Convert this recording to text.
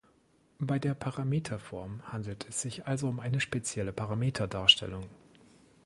Bei der Parameterform handelt es sich also um eine spezielle Parameterdarstellung.